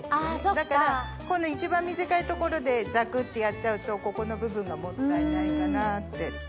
だからこの一番短い所でザクってやっちゃうとここの部分がもったいないかなって。